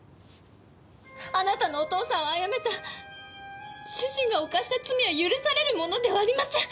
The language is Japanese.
あなたのお父さんを殺めた主人が犯した罪は許されるものではありません。